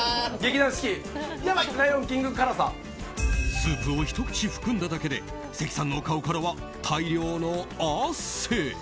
スープをひと口含んだだけで関さんの顔からは大量の汗。